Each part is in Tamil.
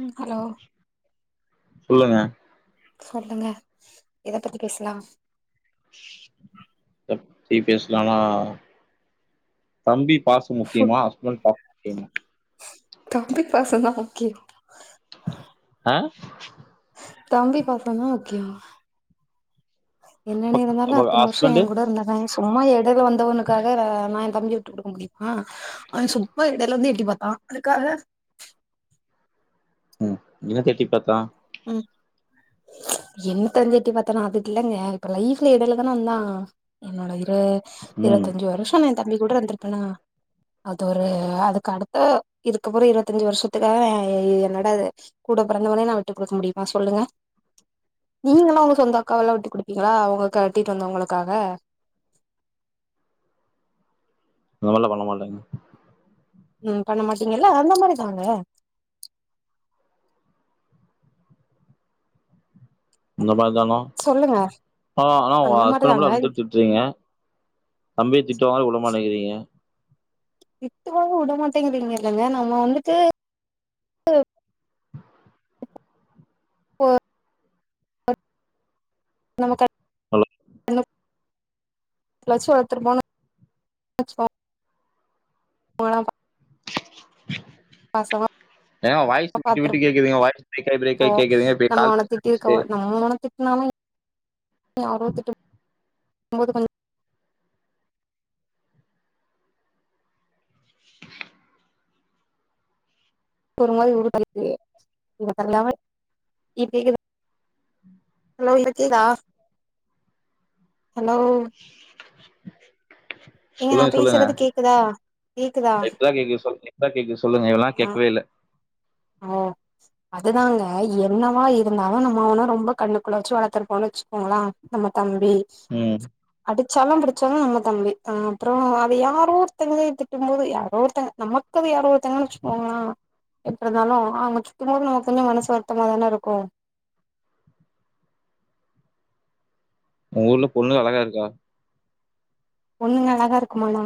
ம் ஹலோ சொல்லுங்க சொல்லுங்க எத பத்தி பேசலா எத பத்தி பேசலாமா தம்பி பாச ஃபுட் முக்கியமா ஹஸ்பண்ட் பாச முக்கியமா தம்பி பாச தா முக்கிய ஆ தம்பி பாச தா முக்கியோ என்னென்ன பக் இருந்தாலு அவ அத்தனை வருஷ ஹஸ்பண்டு என் கூட இருந்த தா சும்மா இடல வந்தவனுக்காக நா என் தம்பிய விட்டு கொக்க முடியுமா அவன் சும்மா இடையில இருந்து எட்டி பாத்தா அதுக்காக ம் என்னத்த எட்டி பாத்தா ம் என்னத்த வந்து எட்டி பாத்தா அதுல்லங்க இப்ப லைஃப்ல இடயில தான வந்தா என்னோட இரு ம் இருபத்தஞ்சு வருஷ நா என் தம்பி கூட இருந்திருப்பேனா அது ஒரு அதுக்கு அடுத்த இதுக்கப்புற இருபத்தஞ்சு வருஷத்துக்காக என்னோட கூட பிறந்தவனே நா விட்டு கொடுக்க முடியுமா சொல்லுங்க நீங்க எல்லா உங்க சொந்த அக்காவெல்லா விட்டு குடுப்பிங்க பிங்களா அவுங்க கட்டிட்டு வந்தவங்களுக்காக அதல பண்ண மாட்டேங்க ம் பண்ண மாட்டீங்கல்ல அந்த மாரி தாங்க அந்த மாரி தானா சொல்லுங்க ஆனா உங்க அந்த ஹஸ்பண்ட் அ மட்டு மாரிதாங்க அந்த திட்டு திட்ரேங்க தம்பிய திட்டனாலு விட மாட்றீங்க திட்டுவாங்க விடமாட்டேங்கிறீங்க இல்லேங்க நம்ம வந்துட்டு போ நம கட்டு ஹலோ [unintelligible] ச்சு வளர்த்தட்டு [unintelligible] ஆ [inaudible] பாசமா ஏங்க வாய்ஸ் விட்டு விட்டு கேக்குதுங்க வாய்ஸ் பிரேக் ஆயி பிரேக் பாத்துருப்போ ஆயி கேக்குதுங்க இப்ப நம்ம கால் அவன திட்டிருக்க பேச நம்ம தானே திட்டி னாலு யாரோ திட்டம்போது [unintelligible] ஒரு மாரி [unintelligible] இத பண்லாமா [unintelligible] ஹலோ இருக்கீரா ஹலோ [inaudible] ஏங்க நா சொல்லுங்க சொல்லுங்க பேசுறது கேக்குதா கேக்குதா லைட்டா கேக்கு சொல்லு லைட்டா கேக்கு சொல்லுங்க இவல நேரம் கேக்கவே இல்ல ஆ அதுதாங்க என்னவா இருந்தாலு நம்ம அவன ரொம்ப கண்ணுக்குள்ள வச்சு வளத்துருப்போன்னு வச்சுக்கோங்களே நம்ம தம்பி ம் அடிச்சாலு புடிச்சாலு நம்ம தம்பி அ அப்றோ அது யாரோ ஒருத்தங்க திட்டும் போது யாரோ ஒருத்தங்க நம்ம திட்ரது யாரோ ஒருத்தங்கன்னு வச்சுகோங்கள இருந்தாலு அவுங்க திட்டும்போது நமக்கு கொஞ்சோ மனசு வருத்தமாதான இருக்கு உங்க ஊர்ல பொண்ணு அழகா இருக்கா பொண்ணுகா அழகா இருக்குமானா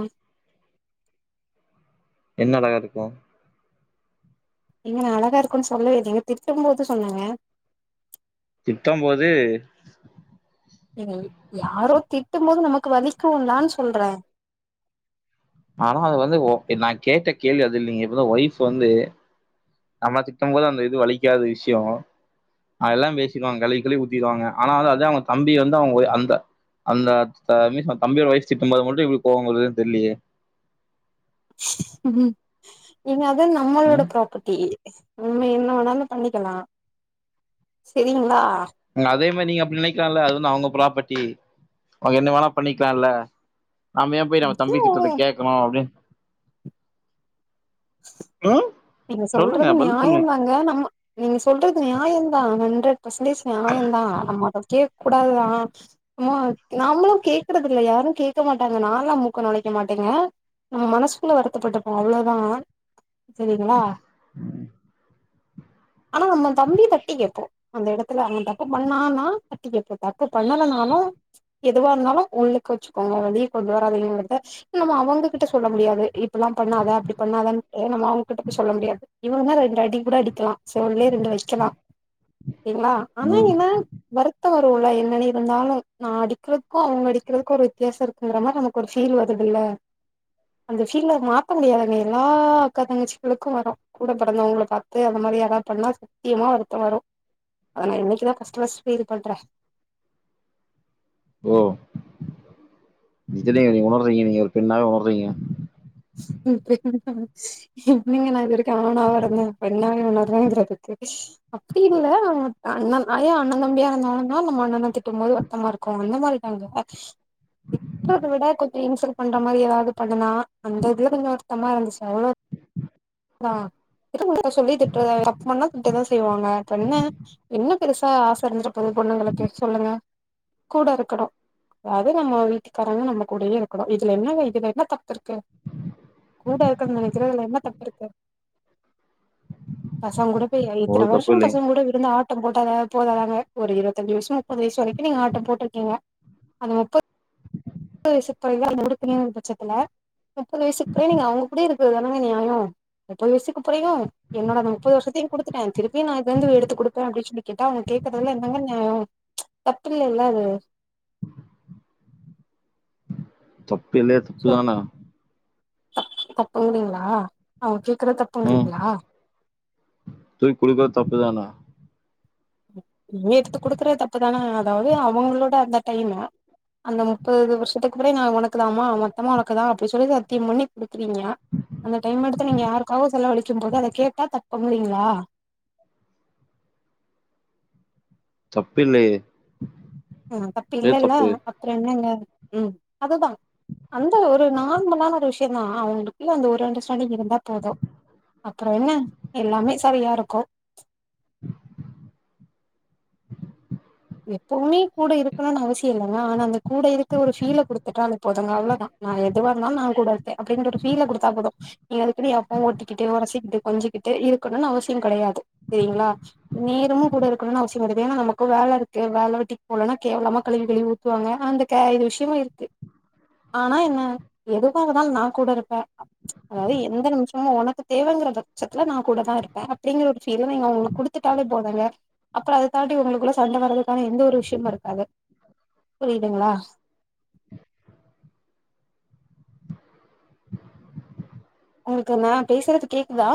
என்ன அழகா இருக்கு ஏங்க நா அழகா இருக்குன் சொல்லவேலிங்க திட்டும்போது சொன்னேங்க திட்டம்போது இல் யாரோ திட்டும் போது நமக்கு வலிக்கும்லான் சொல்ற ஆனா அது வந்து ஓ நா கேட்ட கேள்வி அது இல்லிங்க இப்பதா ஒய்ஃப் வந்து நம்ம திட்டும் போது அந்த இது வலிக்காத விஷயோ அதுல்லா பேசிடுவாங்க கழுவி கழுவி ஊத்திருவாங்க ஆனாலும் அதா அவங்க தம்பி வந்து அவுங்க அந்த அந்த [unintelligible] தம்பியோட ஒய்ஃப் திட்டும்போது மட்டும் இவங்களுக்கு கோவ வருதுனு தெர்லையே ம் ஏங்க அது நம்மளோட ம் ப்ராப்பர்ட்டி நம்ம என்ன வேணாலு பண்ணிக்கலா செரிங்ளா ம்‌ அதே மாரி நீங்க அப்டி நினைக்கலாம்ல அது வந்து அவங்க ப்ராப்பர்ட்டி அவங்க என்ன வேணா பண்ணிக்கலால நாம ஏன் போய் நம்ம தம்பி திட்ரத இது கேக்கணு அப்டின் ம் நீங்க சொல்லுங்க சொல்றது பதில் சொல்லுங்க. நியாயந்தா ங்க நம்ம நீங்க சொல்றது நியாயந்தா ஹண்ரட் பர்சன்டேஜ் நியாயந்தா நம்ம அத கே கூடாதுதா மோ நாமளும் கேக்குறது இல்ல யாரும் கேட்க மாட்டாங்க நாலா மூக்க நுழைக்க மாட்டேங்க நம்ம மனசுக்குள்ள வருத்தப்பட்டுப்போ அவ்ளோதா செரிங்களா [unintelligible] ஆனா நம்ம தம்பி தட்டி கேட்போ அந்த எடத்துல அவன் தப்பு பண்ணான்னா தட்டி கேப்பே தப்பு பண்ணலனாலு எதுவாருந்தாலும் உள்ளுக்கு வச்சுக்கோங்க வெளிய கொண்டு வராதிங்கத நம்ம அவங்ககிட்ட சொல்ல முடியாது இப்புல்லா பண்ணாத அப்டி பண்ணாதன்ட்டு நம்மள‌ அவங் கிட்ட போய் சொல்லமுடியாது இவன்னா ரெண்டு அடி கூட அடிக்கலா செவில்லயே ரெண்டு வக் களா சேரிங்களா ஆனா ம் என்ன வருத்த வரும்ல என்ன இருந்தாலு நா அடிக்கிறக்கு அவுங்க அடிக்கிறக்கு ஒரு வித்தியாசருக் குன்ற மாரி நமக்கு ஒரு ஃபீல் வருதுல்ல அந்த ஃபீல்ல மாத்த முடியாதங்க எல்லா அக்கா தங்கச்சி கலுக்கு வரும் கூட பிறந்தவங்கள பாத்து அந்த மாரி யாராவது பண்ணா சத்தியமா வருத்த வரு அதனா இன்னைக்கு தா ஃபர்ஸ்ட் ஃபர்ஸ்ட் ஃபீல் பண்ற ஓ இதுலே நீ உணர்றீங்க நீங்க ஒரு பெண்ணாக உணர்தீங்க நா இது வரைக்கும் ஆனாவா இருந்த பெண்ணா உணர்ரேங்குறதுக்கு அப்டி இல்ல அண்ணன் அயா அண்ணன் தம்பியா இருந்தால தான் நம்ம அண்ணான தி உன்மையிலே வருரத்தமா இருக்கு அந்த மாரி அ எப்பை விட கொஞ்சே இன்சல்ட் பண்ற மாரி ஏதாவது பண்ணனா அந்த இதுல கொஞ்சோ வருத்தமா இருந்துச்சு அவ்ளோ இரு சொல்லி திட்டு அப்ண்ணா திட்டுதா செய்வாங்க அப்ப என்ன என்ன பெருசா ஆசைந்து வந்துரு ப்பது பொண்ணுங்கக்கே சொல்லுங்க கூட இருக்கணு அதாவது நம்ம வீட்டுக்காரங்க நம கூடயே இருக்கணு இதுல என்ன இதுல என்ன தப்பு இருக்கு கூட இருக்கறக்கிரல என்ன தப்பு இருக்கு பசங்க கூட போய் ஒரு இத்தனை தப்பு வருஷம் இல்லைங்க. பசங்க கூட இருந்து ஆ ஆட்டம் போட்டாத போதாதங்க ஒரு இருபத்தஞ்சு வயசம் முப்பது வயசு வரைக்கு நீங்க ஆட்டம் போட்டிருக்கீங்க அந்த முப்பது முப்பது வயசு துறைகள் [unintelligible] பட்சத்துல முப்பது வயசுக்கு புறையு நீங்க அவங்க கூட இருக்கது தானாங்க நியாய எப்பது வயசுக்கு புறயு என்னட அந்த முப்பது வருஷத்தையு கொடுத்துட்டே திருப்பி நான்து வந்து எடுத்துடுப்பே அப்டின்னு சொல்லி கேட்ட அவங்கேடக்குறதுல என்னங்க நியாய தப்பலல்ல அது தப்புல்லைய சொ தப்புதானா தப்புங்கிறீங்களா அவங்க கேக்குறது தப்புங்கிமறீங்களா போய் குடிக்கது தப்பதான நீ எடுத்து குடுக்குற த அப்பதானே அதாவது அவங்களோட அந்த டைம் அந்த முப்பது வருஷத்துக்கு பிற நான் உனக்குதாமா மொத்தமா உனக்குதா அப்டின் சொல்லி சத்திய பண்ணி கொடுக்குறீங்க அந்த டைம் எடுத்து நீங்க யாருக்காகவு செல அழிச்சா அத கேட்டா தப்பு இல்லீங்களா தப்புல்லேயே ஆஹ தப்பு இல்லல்ல அப்புற என்னங்க இல்ல ம் அதுதா அந்த ஒரு நார்மலான ஒரு விஷய தா அவங்களுக்குளே அந்து ஒரு அண்டர்ஸ்டாண்டிங் இருந்தா போது அப்றோ என்ன எல்லாமே சரியா இருக்கு எப்வுமே கூட இருக்கணும்னு அவசிய இல்லேங்க ஆனா அந்த கூட இருக்க ஒரு ஃபீலை கொடுத்துட்டா அ போததுாங்க அவ்வளோதா நா எதுவ இருந்தாலு நா கூட அப்டினு ஒரு ஃபீல கொடுத்தா போது அதுக்குனு எப்போவு ஓட்டிட்டு ஓரசிக்கிட்டு கொஞ்சிக்கிட்டு இருக்கணும்னு அவசிய கிடையாது சரிங்களா நீரும்மு கூட இருக்கணும்னு அவசிய கிடையாது ஏன்னா நமக்கு வேல இரு வேலவட்டிக்கு போலன்னா கேவலமா கழவி கழுவி ஊத்துவாங்க அந்த இது விஷயமா இருக்கு ஆனா என்ன எதுவாக இருதால நா கூட இருப்பே அதாவது எந்த நிமிஷமு உனக்கு தேவைங்கிற பட்சத்துல நா கூட தா இருப்பே அப்படிங்கிற ஒரு ப் பீல் ல்லா உங்களுக்கு குடுத்துட்டாலே போதுங்க அப்பற அத தாட்டி உங்களுக்குள்ள சண்டை வர்றதுக்கு ன எந்த ஒரு விஷயமு நடக்காது புரியிதுங்களா உங்களுக்கு நா பேசுறது கேக்குதா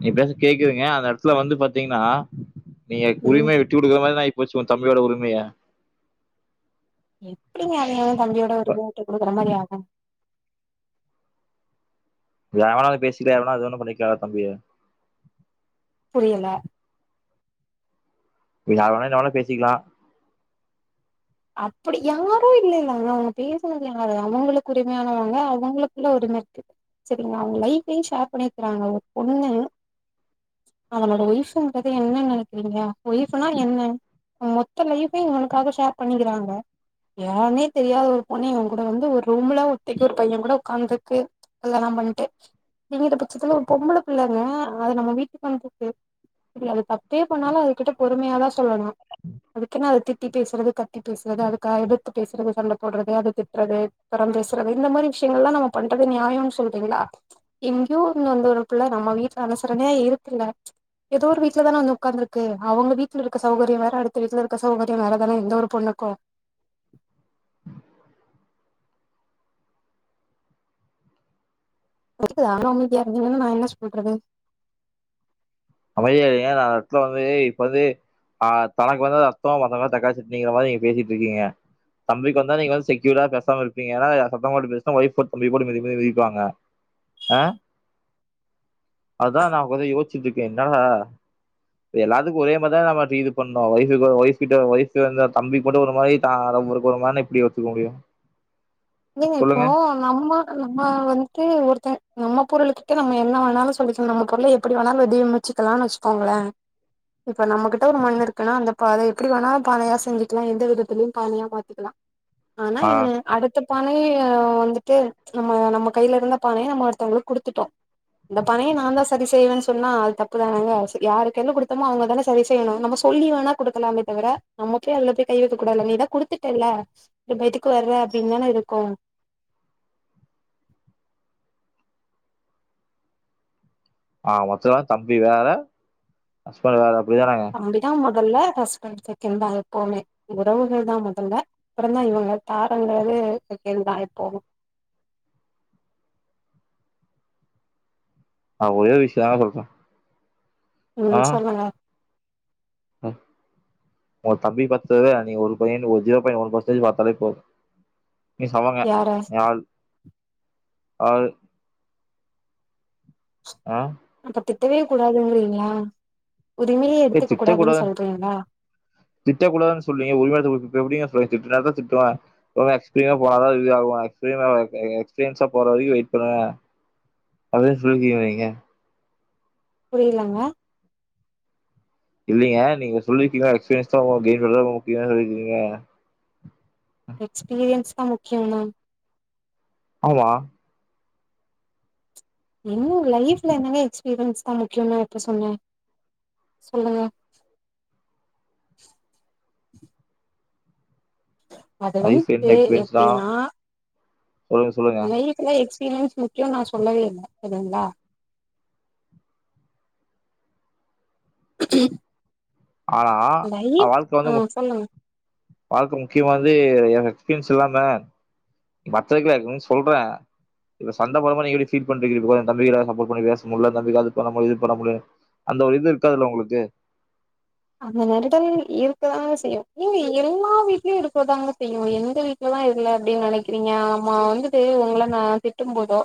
நீ பேசறது கேக்குறங்க அந்த இடத்துல வந்து பாத்தீங்கன்னா நீங்க ம் உரிமை விட் விட்டு கொடுற மாரி ஆகி போச்சு உன் தம்பியோட உரிமையா எப்டி அதது தம்பியோ உரிமையா விட்டு குடுக்குற மாரி ஆகு வேனால பேசிக்கலா எவனாவத [unintelligible] பண்ணிக்கக்கா தம்பிய புரியல நீய ஆவனுன என்னளா வேன பேசிக்கலா அப்டி யாரு இல்லேல்லாங்க அவங்க பேசுனது யாரு அவங்களுக்கு உரிமையானவங்க அவங்களுக்குள்ள ஒரு உரிமை இருக்குது லய்வு சேர் பண்ணியிருக்காங்க ஓரூ பொண்ணு அவனோட ஒய்ஃபுன்றத என்னன்ன நினைக்கிறீங்கா ஒயஃனா என்ன மொத்த லைஃப இவளுக்காக ஷேர் பண்ணிருவாங்க யான்னே தெரியாத ஒரு பொண்ணு இவன் கூட வந்து ஒரு ரூம்ல ஒத்தைக்கு ஒரு பையன் கூட உட்காந்துகீறுக்கு அதெல்லாபண்ணிட்டுச் நீங்க பட்சத்துல ஒரு பொம்பளை பிள்ளைங்க அத நம்ம வீட்டுக்கு வந்து போக்கு இல்ல அது தப்பே பண்ணாலு அதுகிட்ட பொறுமையாதா சொல்லணு அதுக்குனு அது திட்டி பேசுறது க த்தி பேசுறது அதுக்கா எதுர்த்து பேசுறது சண்ட போடுறது அது திட்டுறது புறம் பேசுறது இந்த மாரி விஷயங்கள்லா நம்ம பண்றது நியாயம்னு சொல்றீங்ளா எங்கேயோ இருந் வந்த ஒருப்புள்ள நம்ம வீட்ல அனுசரணையா இருக்குல்ல ஏதோ ஒரு வீட்ல தானே வந்து உட்காந்துருக்கு அவங்க வீட்ல இருக்க சௌகரியோ வேற அடுத்த வீட்ல இருக்க சௌகரியோ வேறதானே எந்த ஒரு பொண்ணுக்கு அதுக்குது ஆனா உ இ இருந்தீன்னு நா என்ன சொல்றது அமைதியே இல்லைங்க நா இத்துல வந்து இப்ப வந்து ஆ தனக்கு வந்தா ரத்தோ மத்தவங்களா தக்காளி சட்னிங்க மாரி நீங்க பேசிட்டு இருக்கீங்க தம்பிக்கு வந்தா நீங்க வந்து செக்யூரா பேசாம இருப்பீங்க ஏனா சத்தம் பேட்டு பேசனா தம்பி போட்டு மிதிமிதினு மதிப்பாங்க அ அதா நான் கொஞ்சோ யோசிச்சுட் இருக்கே [unintelligible] எல்லாத்துக்கு ஒரே மாரிதா நம்ம இது பண்ணு ஒய்ஃப் ஒயஃப் கிட்ட ஒரு மாரி தம்பிக்கு ஒரு மாரி [unintelligible] எப்டி ஒத்துக்க முடியு நீங்க இப்போ சொல்லுங்க நம்ம நம்ம வந்துட்டு ஒருத்த நம்ம பொருள்கிட்ட நம்ம என்ன வேணாலு சொல்லிக்கலா நம்ம பொருள எப்டி வேணாலு [unintelligible] வெச்சிக்கலானு வெச்சுக்கோங்ளே இப்ப நம்மகிட்ட ஒரு மண்ணிருக்குனா அந்த பானை எப்டி வேணாலு பானையா செஞ்சிக்கலா எந்த விதத்துலயு பானையா மாத்திக்கலா ஆனா ஆ என்ன அடுத்த அடுத்த பானைய வந்துட்டு நம்ம நம்ம கைல இருந்த பானைய நம்ம ஒருத்தவங்ளுக்கு குடுத்துட்டோ இந்த பானைய நா தா சரி செய்வேன்னு சொன்னா அது தப்பு தானங்க சரி யார்க் கைல குடுத்தமோ அவங்க தானே சரி செய்ணு நம்ம சொல்லி வோனா குடுக்கலாமே தவிர நமக்கே எல்லாத்தையு கை வைக்க கூடாது நீதா குடுத்துட்டேல்ல இப்ப எதுக்கு வர்றே அப்டின்னு தானே இருக்கு ஆ மொத்தமா தம்பி வேற ஹஸ்பண்ட் வேற அப்டிதானங்க தம்பிதா முதல்ல ஹஸ்பண்ட் செகண்ட் தா எப்போவுமே உறவுகள் தா முதல்ல அப்புறம்தா இவங்க தாரங்கிறது [unintelligible] எப்போமே நா ஒரே ஒரு விஷ்யந்தா சொல்றே ம் சொல்லுங்க ஆ உங்க தம்பி பாத்ததுல நீங் ஒரு பாய்ன்ட் ஒரு ஜீரோ பாய்ட் ஒன் பெர்சென்ட் பாத்தாலே போது யார [unintelligible] ஆ அப்ப திட்டவே கூடாதுங்கிறீங்களா உரிமையே ஏ எடுத்துக்க கூடாதுன்னு சொல்றீங்களா திட்டக்கூடானு சொல்வீங்க [unintelligible] ரொம்ப எக்ஸ்ப போன இது எஸ்பீரியன் போற வரை வெயிட்ண்ணுவன் அடியதான் சுருக்கி வீங்க புரிலங்க இல்லலைங்க நீங்க சொல்லிருக்கீங்க எக்ஸ்பீரியன்ஸ் தான் முக்கிய [unintelligible] சொல்லிருக்கீங்க எக்ஸ்பீரியன்ஸ் தா முக்கியம்மா ஆம்மா இன்னு லைஃப்ல என்னங்க எக்ஸ்பீரியன்ஸ் தா முக்கியனு நா எப்ப சொன்னே சொல்லுங்க அது லைஃப் வந்துட்டு என்ன எக்ஸ்பீரியன்ஸ் தா எப்டின்னா சொல்லுங்க சொல்லுங்க லைஃப்ல எக்ஸ்பீரியன்ஸ் முக்கியோ நா சொல்லவே இல்லை சரிங்களா [inaudible] ஆனா லைஃப் வாழ்க்க ஆ வந்து சொல்லுங்க வாழ்கை முக்கியமா வந்து எக்ஸ்பீரியன்ஸ் இல்லாம மத்ததுக்லா இர்க்கனு சொல்ற இவ சண்ட பண்ண மாணரி நீங்களி சீட் பன்றிகில் இதுவே என் தந்தையிரா சப்போட் பண்ணி வேஸ் முல்லா இருந்தா விவாதத்தலாம்மு இது பண்ண முலே அந்த ஒ இது இருக்காதுல்ல உங்ளுக்கு அந்த நெரடல் இருக்குதாங்க செய்யு ஏங்க எல்லா வீட்லியு இருக்கதாங்க செய்யு எந்த வீட இதல்லா இல்ல அப்டி நனைக்கிறீங்க ஆமா வந்துட்டு உங்கள நா திட்டும் போதோ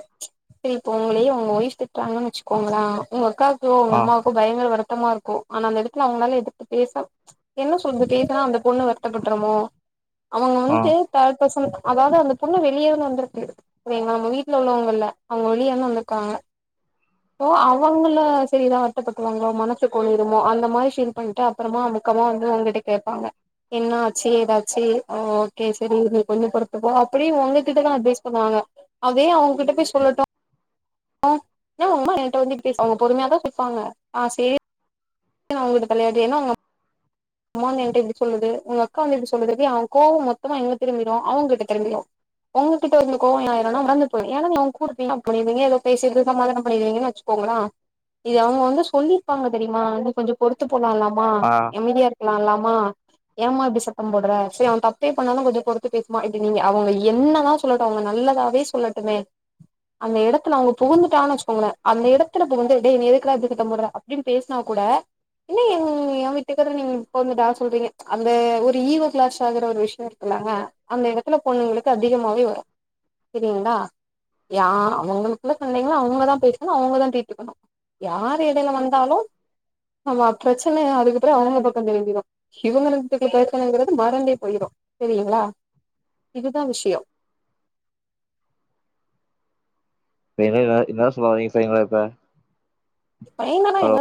சரிப்போங்களே உங்க ஒய்ஃப் திட்றாங்கன் வெச்சுக்கோங்களா உங்க அக்கா தோ உங்க ஆ அம்மாவுக்கு பயங்கர வருத்தமா இருக்கு ஆனா அந்த எடத்துல அவ்ங்களாலே குத்து பேசு என்ன சொல்து பேசுனா அந்த பொண்ணு வருத்தப்பட்றோமோ அவங்க ஆ வந்து தாட் பர்சன் அதாவது அந்த பொண்ணு வெளியேனு வந்துருக்கு எங் மேம் வீட்ல உள்ளவங்கல்ல அவங்க வெளிய தா வந்துர்க்காங்க ஓ அவங்கள சரிதான் வர்த்தப்பட்ருவாங்கலோ மனசு குளிருமோ அந்த மாதிரி ஷீல் பண்ட்டு அப்பறமா அமுக்கமா வந்து உங்கிட்ட கேப்பாங்க என்னா ஆச்சி ஏதாச்சி ஓகே சரி நீ கொஞ்சு பொறுத்து போ அப்படி உங்ககிட்டல்லா அட்வைஸ் பண்ணுவாங்க அதே அவ்ங்கிட்ட போய் சொல்லட்டு அ ஏ உமா என்ட்ட வந்து பேசு அவங்க பொறுமையா தான் சுல்ப்பாங்க ஆ சேர் நா அவ்ங்குளுக்கு தலையாட்டி ஏனா நம் உமான்னு என்ட்ட இப்டி சொல்லுது உங்க அக்கா வந்து இப்டி சொல்லுதுற்க்கு யாவ் கோவம் மொத்தமா எங்ள திரும்பிரு அவ்ங்கள்ட்ட திரும்பிரு உங்ககிட்ட இருந்த கோவோ எந்நாய்ரோனா மறந்து போயு ஏன்னா நீ அவ்ங் கூடப்பீனா பண்ணிர்தீங்க ஏதோ பேசிர்து சமாதானம் பண்ணிர்வீங்கு வச் போங்கனா இது அவங்க வந்து சொல்லிர்ப்பாங்க தெரியுமா வந்து கொஞ்சு பொருத்து போலாலாமா ஆ எமதியார் லாலாமா ஏமா இப்டி சத்தம் போட்ற சரி அவ தப்பே பண்ணாலு கொஞ்சு பொருத்து பேசுமா இப்டி நீங்க அவங்க என்னதாச் சொல்லட்டு அவங்க நல்லதாவே சொல்லட்டுமே அந்த எடத்துல அவங்க புகுந்துட்டான் வச்கோங்களே அந்த எடத்துல புகுந்து டே நீ எதுக்குடா இப்டி திட்டம் போட்ற ப்டின் பேஸ்னா கூட என்ன என் நீ ய வீட்டுக்காற நீ இப்ப வந்து டா சொல்றீங்க அந்த ஒரு ஈகோ க்ளாஷ் ஆகுற ஒரு விஷ்யோ இருக்குல்ல அந்த எடத்துல பொண்ணுங்களுக்கு அதிகமாவே வரு சரிங்ளா யா அவங்களுக்குள்ள சண்டைங்களா அவங்க தா பேசணு அவங்கதான் ட்ரீட்டு பண்ணு யார் எடைய்ல வந்தாலு நம்ம ப்ரச்சன அதுக்கப்பறோ அவங்க பக் எழும்பிரு இவங்களுங்குக்கிட்ட மறந்தே போய்ரு தெரியுங்களா இதுதா விஷ்யோ ப எதுனா இன்னா சொல்லவரீங் செய்ங்களப்ப பைங்கனா என்னது